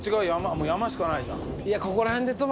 もう山しかないじゃん。